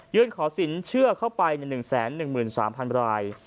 ยื่นขอสินเชื่อเข้าไปใน๑๑๓๐๐๐บรรยาย